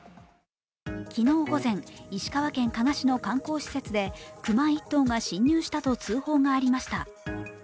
昨日午前、石川県加賀市の観光施設で熊１頭が侵入したと通報がありました。